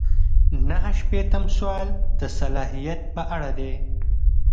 نهه شپیتم سوال د صلاحیت په اړه دی.